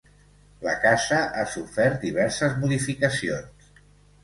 La casa ha sofert diverses modificacions.